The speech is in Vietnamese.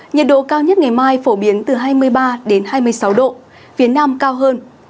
nhiệt độ cao nhất ngày mai phổ biến từ hai mươi ba hai mươi sáu độ phía nam cao hơn